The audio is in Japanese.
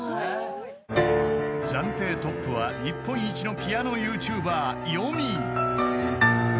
［暫定トップは日本一のピアノＹｏｕＴｕｂｅｒよみぃ］